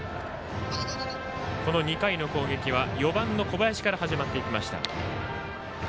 この２回の攻撃は４番の小林から始まっていきました。